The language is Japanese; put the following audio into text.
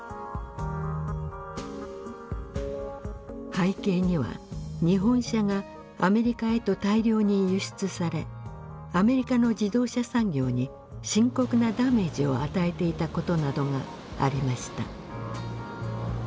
背景には日本車がアメリカへと大量に輸出されアメリカの自動車産業に深刻なダメージを与えていたことなどがありました。